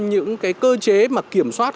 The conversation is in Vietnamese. những cơ chế kiểm soát